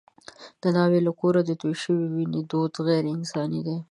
د ناوې له کوره د تویې شوې وینې دود غیر انساني دی.